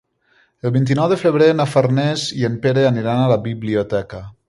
El vint-i-nou de febrer na Farners i en Pere aniran a la biblioteca.